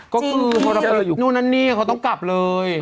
ก็คือพอเราไปอยู่นู่นนั่นนี่เขาต้องกลับเลย